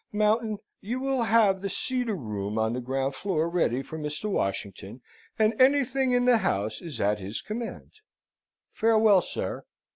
Mountain, you will have the cedar room on the ground floor ready for Mr. Washington, and anything in the house is at his command. Farewell, sir.